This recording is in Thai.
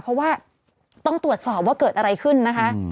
เพราะว่าต้องตรวจสอบว่าเกิดอะไรขึ้นนะคะ